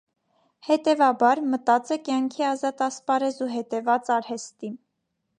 Հետեւաբար, մտած է կեանքի ազատ ասպարէզ ու հետեւած արհեստի։